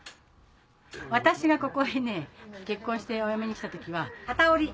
私がここへ結婚してお嫁に来た時ははた織り。